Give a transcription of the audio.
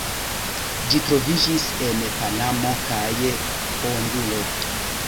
Ĝi troviĝis en Panamo kaj Honduro.